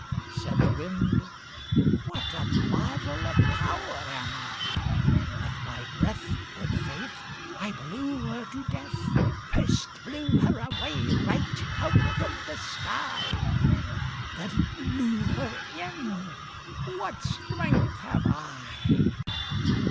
Said the Wind: "What a marvel of power am I! With my breath, Good faith! I blew her to death ŌĆö First blew her away right out of the sky ŌĆö Then blew her in; what strength have I!